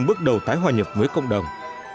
với cộng đồng